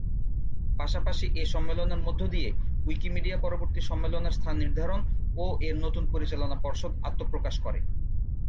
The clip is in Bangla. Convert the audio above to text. পাশাপাশি এ সম্মেলনের মধ্যদিয়ে উইকিমিডিয়া পরবর্তী সম্মেলনের স্থান নির্ধারণ ও এর নতুন পরিচালনা পর্ষদ আত্মপ্রকাশ করে।